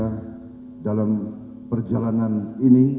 dan juga dalam perjalanan ini